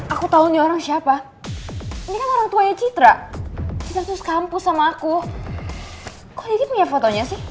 aku tahu orang siapa